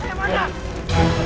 kamu kenapa ketakutan begini